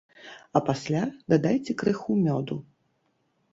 А пасля дадайце крыху мёду.